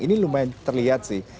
ini lumayan terlihat sih